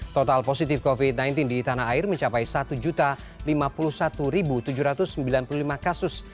total positif covid sembilan belas di tanah air mencapai satu lima puluh satu tujuh ratus sembilan puluh lima kasus